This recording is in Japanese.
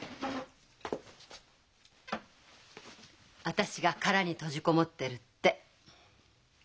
「私が殻に閉じこもってる」って。